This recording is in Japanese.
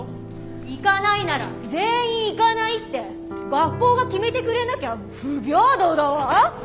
行かないなら全員行かないって学校が決めてくれなきゃ不平等だわ。